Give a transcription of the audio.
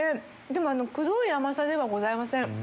でもくどい甘さではございません。